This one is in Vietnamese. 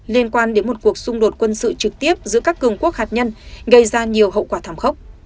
liên quan đến một cuộc xung đột quân sự trực tiếp giữa các cường quốc hạt nhân gây ra nhiều hậu quả thảm khốc